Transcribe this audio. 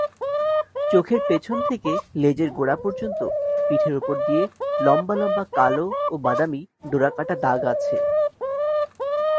চোখের পেছন থেকে লেজের গোড়া পর্যন্ত পিঠের ওপর দিয়ে লম্বা লম্বা কালো ও বাদামি ডোরাকাটা দাগ আছে।